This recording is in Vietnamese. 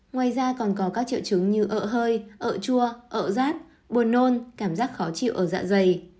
ngoài ra còn có các triệu chứng như ợ hơi ợ chua ợ rát buồn nôn cảm giác khó chịu ở dạ dày